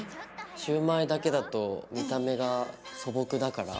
シュウマイだけだと見た目が素朴だから？